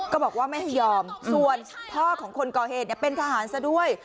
บอกว่าไม่ให้ยอมส่วนพ่อของคนก่อเหตุเป็นทหารซะด้วย